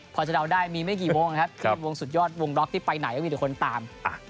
พอจะเดาได้มีไม่กี่วงนะครับที่เป็นวงสุดยอดวงล็อกที่ไปไหนก็มีแต่คนตาม